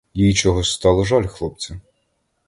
Їй чогось стало жаль хлопця.